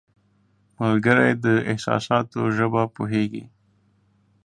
ملګری د احساساتو ژبه پوهیږي